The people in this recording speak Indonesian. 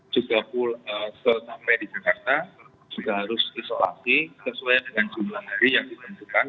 juga sampai di jakarta juga harus isolasi sesuai dengan jumlah hari yang ditentukan